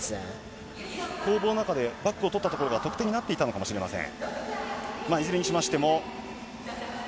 攻防の中で、バックを取ったところが得点になっていたのかもしれません。